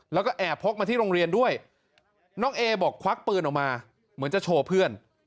แล้วก็แอบพกมาที่โรงเรียนด้วยน้องเอบอกควักปืนออกมาเหมือนจะโชว์เพื่อน